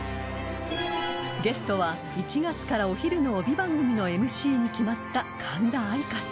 ［ゲストは１月からお昼の帯番組のＭＣに決まった］